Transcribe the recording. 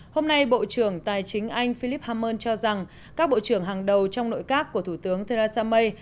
hôm nay bộ trưởng tài chính anh philip hammer cho rằng các bộ trưởng hàng đầu trong nội các của thủ tướng theresa may